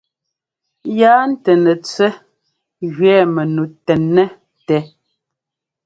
Yaa ntɛ́ nɛtẅɛ́ gẅɛɛ mɛnu tɛ́nnɛ́ tɛ.